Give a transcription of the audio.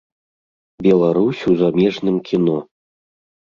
Беларусь у замежным кіно.